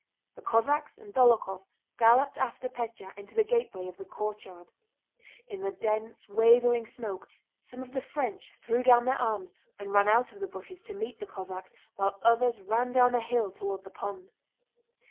The Cossacks and Dólokhov galloped after Pétya into the gateway of the courtyard. In the dense wavering smoke some of the French threw down their arms and ran out of the bushes to meet the Cossacks, while others ran down the hill toward the pond.